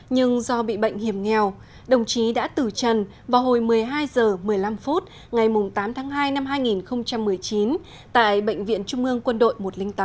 nhưng do bị bệnh hiểm nghèo đồng chí đã tử trần vào hồi một mươi hai h một mươi năm phút ngày tám tháng hai năm hai nghìn một mươi chín tại bệnh viện trung ương quân đội một trăm linh tám